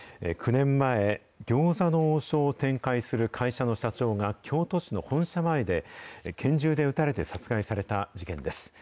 ９年前、餃子の王将を展開する会社の社長が京都市の本社前で、拳銃で撃たれて殺害された事件です。